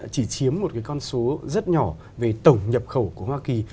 chỉ chiếm một cái con số rất nhỏ về tổng nhập khẩu của hoa kỳ